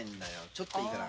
ちょっといいかな？